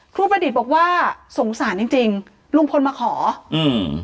ประดิษฐ์บอกว่าสงสารจริงจริงลุงพลมาขออืม